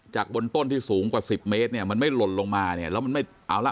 บนต้นที่สูงกว่าสิบเมตรเนี่ยมันไม่หล่นลงมาเนี่ยแล้วมันไม่เอาละ